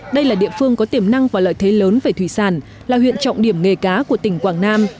đây là địa phương có tiềm năng và lợi thế lớn về thủy sản là huyện trọng điểm nghề cá của tỉnh quảng nam